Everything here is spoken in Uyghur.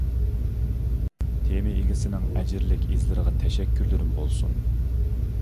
تېما ئىگىسىنىڭ ئەجىرلىك ئىزلىرىغا تەشەككۈرلىرىم بولسۇن.